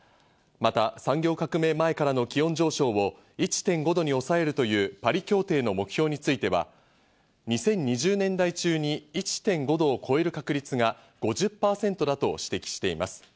また、産業革命前からの気温上昇を１．５度に抑えるというパリ協定の目標については、２０２０年代中に１．５度を超える確率が５０％だと指摘しています。